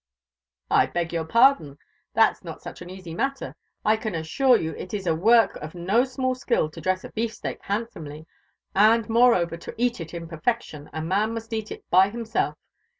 "I beg your pardon that's not such an easy matter. I can assure you it is a work of no small skill to dress a beef steak handsomely; and, moreover, to eat it in perfection a man must eat it by himself.